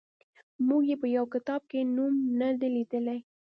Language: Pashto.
موږ یې په یوه کتاب کې نوم نه دی لیدلی.